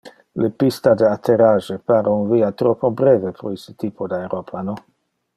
Le pista de atterrage pare un via troppo breve pro iste typo de aeroplano.